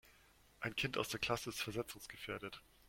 Ein Kind aus der Klasse ist versetzungsgefährdet.